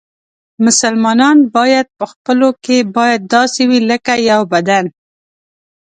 مسلمانان باید په خپلو کې باید داسې وي لکه یو بدن.